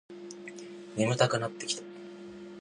眠たくなってきた